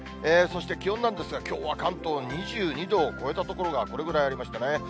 そして、気温なんですが、きょうは関東、２２度を超えた所がこれぐらいありましたね。